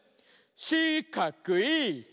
しかくい！